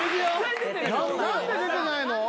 何で出てないの？